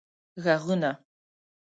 ږغونه